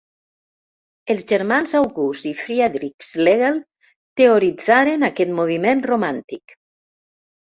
Els germans August i Friedrich Schlegel teoritzaren aquest moviment romàntic.